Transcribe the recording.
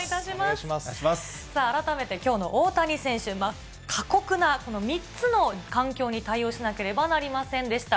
さあ、改めてきょうの大谷選手、過酷な３つの環境に対応しなければなりませんでした。